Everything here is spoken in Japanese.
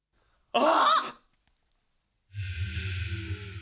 あ？